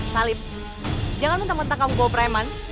salib jangan mentang mentang kamu bawa preman